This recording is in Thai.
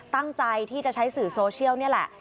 ตั้งใจที่จะใช้สื่อโซเชียลนี่แหละ